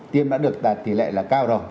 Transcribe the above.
tiêm đã được tài tỷ lệ là cao rồi